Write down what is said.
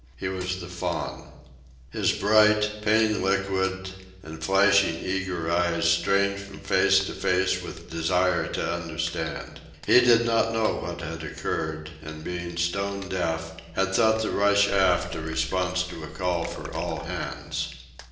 He was the Faun. His bright, pain liquid, and flashing eager eyes strained from face to face with desire to understand. He did not know what had occurred, and, being stone deaf, had thought the rush aft a response to a call for all hands.